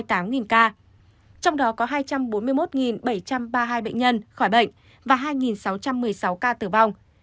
trong đó có hai trăm bốn mươi một bảy trăm ba mươi hai bệnh nhân khỏi bệnh và hai sáu trăm một mươi sáu ca tử vong